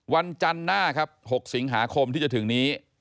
วันจันทร์หน้าครับ๖สิงหาคมที่จะถึงนี้